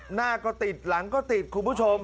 หน้าก็ติดหลังก็ติดคุณผู้ชม